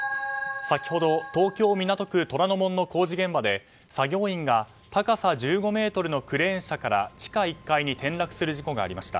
先ほど、東京・港区虎ノ門の工事現場で作業員が高さ１５ｍのクレーン車から、地下１階に転落する事故がありました。